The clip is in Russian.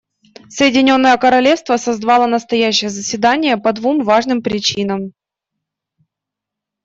Соединенное Королевство созвало настоящее заседание по двум важным причинам.